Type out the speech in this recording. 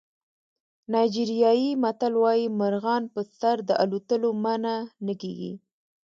نایجریایي متل وایي مرغان په سر د الوتلو منع نه کېږي.